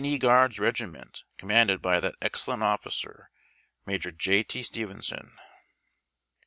E. GUAEDS EEGIMENT, commanded by that excellent officer, MAJOE J. T. STEVENSON.